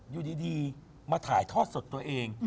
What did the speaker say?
อยู่ดีมาถ่ายทอดสดตัวเอง